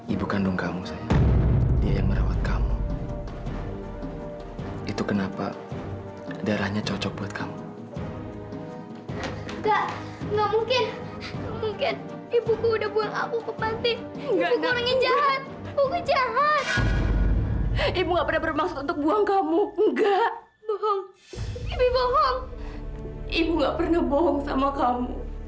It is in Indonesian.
ibu bohong ibu gak pernah bohong sama kamu